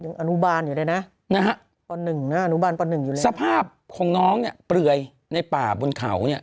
อนุบาลอยู่เลยนะนะฮะป๑นะอนุบาลป๑อยู่แล้วสภาพของน้องเนี่ยเปลือยในป่าบนเขาเนี่ย